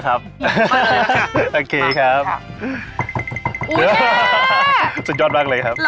เฮ้ยแม่เก่งอย่างแรงกะด้วย